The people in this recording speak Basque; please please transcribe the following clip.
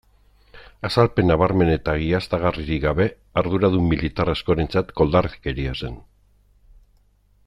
Azalpen nabarmen eta egiaztagarririk gabe, arduradun militar askorentzat koldarkeria zen.